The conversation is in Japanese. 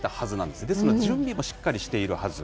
ですので、準備もしっかりしているはず。